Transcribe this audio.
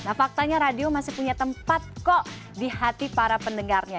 nah faktanya radio masih punya tempat kok di hati para pendengarnya